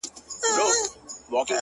نه پاته کيږي، ستا د حُسن د شراب، وخت ته،